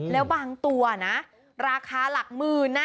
แล้วบางตัวนะราคาหลักหมื่นนะ